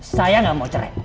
saya nggak mau cerai